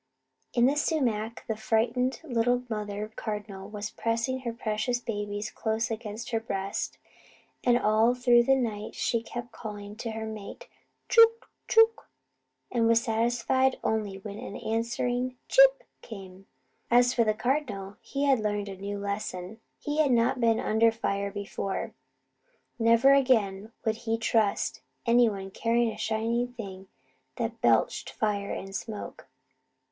In the sumac the frightened little mother cardinal was pressing her precious babies close against her breast; and all through the night she kept calling to her mate, "Chook! Chook!" and was satisfied only when an answering "Chip!" came. As for the Cardinal, he had learned a new lesson. He had not been under fire before. Never again would he trust any one carrying a shining thing that belched fire and smoke.